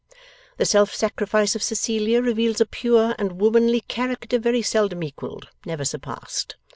The self sacrifice of Cecilia reveals a pure and womanly character, very seldom equalled, never surpassed.